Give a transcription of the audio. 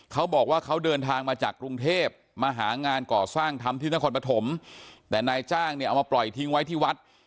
เขาบอกว่าเขาเดินทางมาจากกรุงเทพมาหางานก่อสร้างทำที่นครปฐมแต่นายจ้างเนี่ยเอามาปล่อยทิ้งไว้ที่วัด